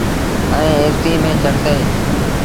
ائيٚݩ ايسيٚ ميݩ چڙسي۔